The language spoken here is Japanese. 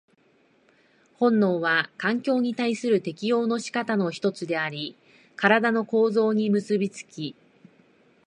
本能は環境に対する適応の仕方の一つであり、身体の構造に結び付き、